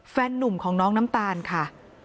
นุ่มของน้องน้ำตาลค่ะ